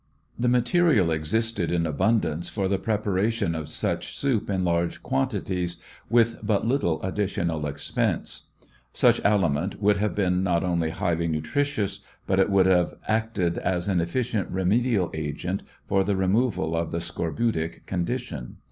The material existed in abundance for the preparation of such soup in large quantities with but little additional expense. Such aliment would have been not only highly nutricious, but it would also have acted as an efficient remedial agent for the removal of the scorbutic condition.